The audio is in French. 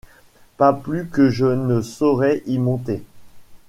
Pas plus que je ne saurais y monter.